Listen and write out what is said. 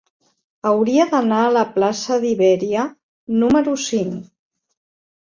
Hauria d'anar a la plaça d'Ibèria número cinc.